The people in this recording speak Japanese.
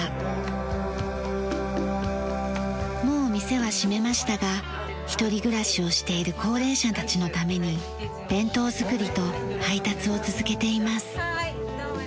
もう店は閉めましたが一人暮らしをしている高齢者たちのために弁当作りと配達を続けています。